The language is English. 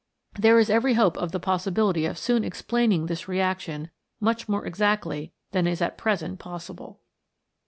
There is every hope of the possibility of soon explaining this reaction much more exactly than is at present possible.